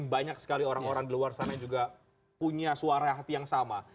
banyak sekali orang orang di luar sana yang juga punya suara hati yang sama